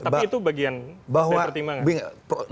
tapi itu bagian pertimbangan bahwa